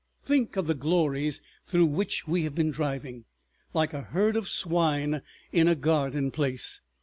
Think of the glories through which we have been driving, like a herd of swine in a garden place.